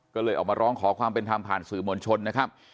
ก็เลยออกมาร้องขอความเป็นธรรมผ่านสื่อมวลชนนะครับ